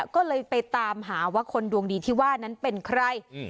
ก็เลยไปตามหาว่าคนดวงดีที่ว่านั้นเป็นใคร